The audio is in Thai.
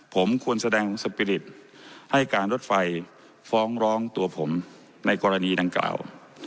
ผมควรแสดงสปิริตให้การรถไฟฟ้องร้องตัวผมในกรณีดังกล่าว